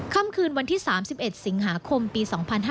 ค่ำคืนวันที่๓๑สิงหาคมปี๒๕๕๙